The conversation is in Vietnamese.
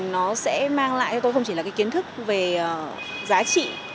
nó sẽ mang lại cho tôi không chỉ là cái kiến thức về giá trị